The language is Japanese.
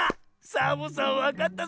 サボさんわかったぞ。